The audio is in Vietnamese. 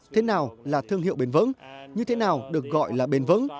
thế nào là thương hiệu bền vững như thế nào được gọi là bền vững